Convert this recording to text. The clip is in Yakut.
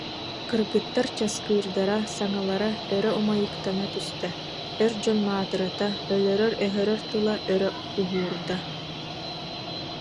Кыргыттар часкыырдара, саҥалара өрө умайыктана түстэ, эр дьон маатырата, өлөрөр-өһөрөр тыла өрө уһуурда: